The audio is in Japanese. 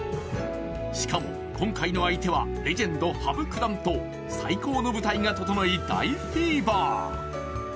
しかも、今回の相手はレジェンド・羽生九段と最高の舞台が整い大フィーバー。